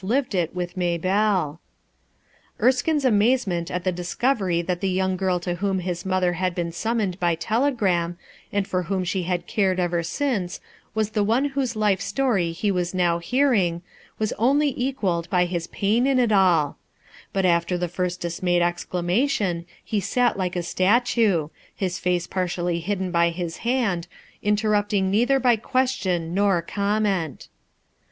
vuu M\t(h Er, kine'« amazement at the cW crv „ «»o young girl to whom his mother h Z , mmoHd by telegram, and for whom ^ Z eared ever wnce, was the one whose lif t . sto he was now hearing, was only tflUaUwl ,'J pam in it alt. But after the first dismayed J elamation he eat like a statue, his face partially hidden by his hand, interrupting neither by question nor comment.